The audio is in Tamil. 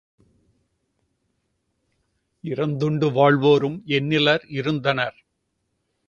இரந்துண்டு வாழ்வோரும் எண்ணிலர் இருந்தனர்.